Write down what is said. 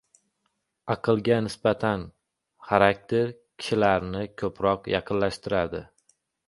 Aqlga nisbatan xarakter kishilarni ko‘proq yaqinlashtiradi.